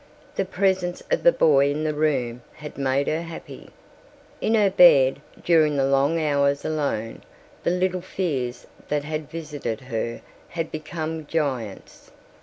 The presence of the boy in the room had made her happy. In her bed, during the long hours alone, the little fears that had visited her had become giants.